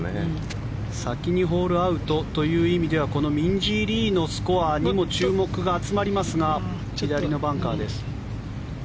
先にホールアウトという意味ではこのミンジー・リーのスコアにも注目が集まりますが左のバンカーです。